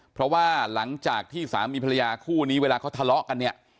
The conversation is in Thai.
เพราะว่าหลังจากที่สามีภรรยาคู่นี้เวลาเขาทะเลาะกันเนี่ย